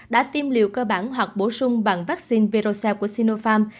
đã tiêm liều cơ bản hoặc bổ sung bằng vaccine verosa của sinopharm